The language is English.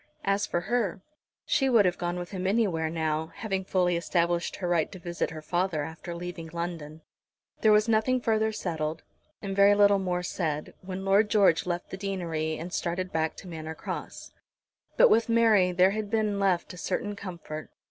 As for her, she would have gone with him anywhere now, having fully established her right to visit her father after leaving London. There was nothing further settled, and very little more said, when Lord George left the deanery and started back to Manor Cross. But with Mary there had been left a certain comfort.